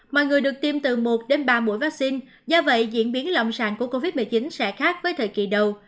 mọi người được tiêm từ một ba mũi vaccine do vậy diễn biến lòng sàn của covid một mươi chín sẽ khác với thời kỳ đầu